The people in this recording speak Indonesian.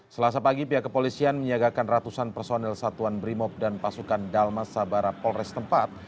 selasa pagi pihak kepolisian menyiagakan ratusan personil satuan brimob dan pasukan dalmas sabara polres tempat